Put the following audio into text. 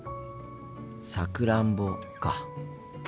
さくらんぼか。